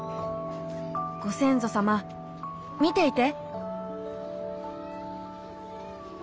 ご先祖様見ていて。